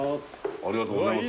ありがとうございます